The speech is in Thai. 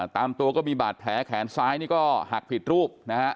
ตามตัวก็มีบาดแผลแขนซ้ายนี่ก็หักผิดรูปนะฮะ